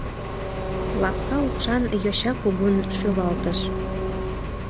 Лапка упшан йоча кугун шӱлалтыш.